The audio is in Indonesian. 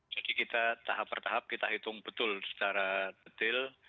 jadi kita tahap tahap kita hitung betul secara detail